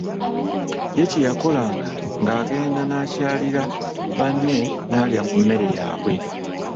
Ye kye yakolanga ng'agenda n'akyalira banne n'alya ku mmere yaabwe.